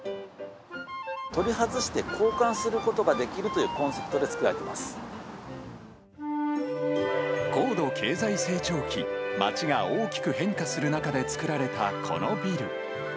取り外して、交換することができるというコンセプトで作られ高度経済成長期、街が大きく変化する中で作られたこのビル。